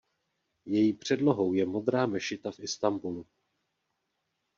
Její předlohou je Modrá mešita v Istanbulu.